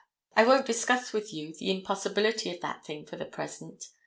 I won't discuss with you the impossibility of that thing for the present.